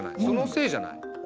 そのせいじゃない？